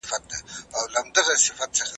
ولي يې و نه وهم ؟